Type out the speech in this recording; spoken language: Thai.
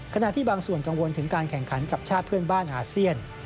ขณะที่บางส่วนกังวลถึงการแข่งขันกับชาติเพื่อนบ้านอาเซียน